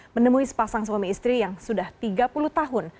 menemui sepasang suami istri yang sudah tiga puluh tahun